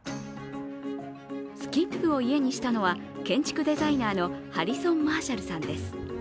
スキップを家にしたのは建築デザイナーのハリソン・マーシャルさんです。